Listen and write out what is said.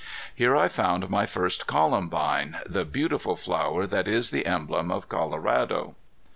Here I found my first columbine, the beautiful flower that is the emblem of Colorado.